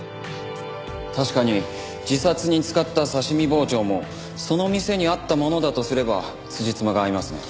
確かに自殺に使った刺し身包丁もその店にあったものだとすればつじつまが合いますね。